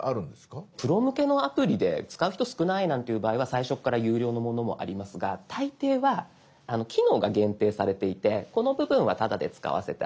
プロ向けのアプリで使う人少ないなんていう場合は最初から有料のものもありますが大抵は機能が限定されていて「この部分はタダで使わせてあげるよ」。